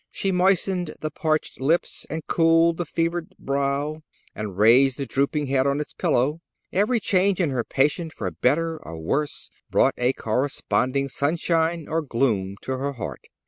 She moistened the parched lips, and cooled the fevered brow, and raised the drooping head on its pillow. Every change in her patient for better or worse brought a corresponding sunshine or gloom to her heart.